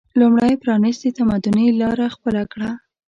لومړی پرانیستي تمدني لاره خپله کړه